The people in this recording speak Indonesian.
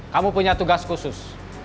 kamu punya tugas khusus